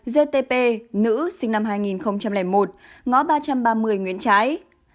hai gtp nữ sinh năm hai nghìn một ngõ ba trăm ba mươi nguyễn trãi